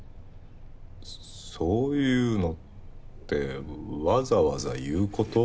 そういうのってわざわざ言う事？